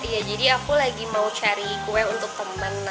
ya jadi aku lagi mau cari kue untuk temen